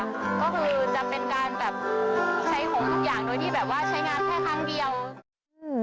ก็คือจะเป็นการแบบใช้ของทุกอย่างโดยที่แบบว่าใช้งานแค่ครั้งเดียวอืม